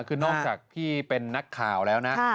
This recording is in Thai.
คือนอกจากพี่เป็นนักข่าวแล้วนะ